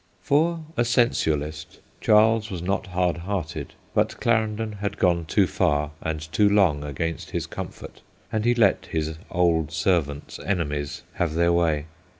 For a sensualist Charles was not hard hearted, but Clarendon had gone too far and too long against his comfort, and he let his old servant's enemies have their way.